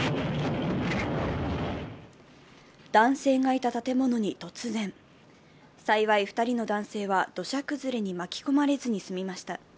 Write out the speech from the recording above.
男性がいた建物に突然幸い、２人の男性は土砂崩れに巻き込まれずに済みました。